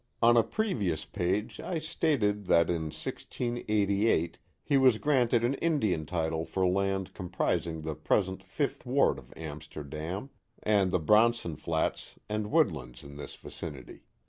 On a previous page I stated that in 1688 he was granted an Indian title for land comprising the present fifth ward of Am sterdam, and the Bronson Flats and woodlands in this vicinity.